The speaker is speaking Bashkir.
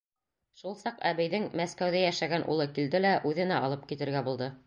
Шул саҡ әбейҙең Мәскәүҙә йәшәгән улы килде лә үҙенә алып китергә булды.